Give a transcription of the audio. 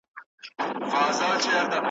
نه په ژوندون وه پر چا راغلي .